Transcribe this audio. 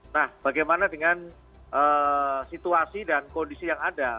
nah bagaimana dengan situasi dan kondisi yang ada